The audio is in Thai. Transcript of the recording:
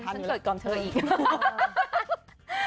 ฉันกดก่อนเธออีก